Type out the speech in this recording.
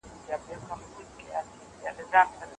امانت بايد خپل خاوند ته وسپارل سي.